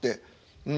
うん。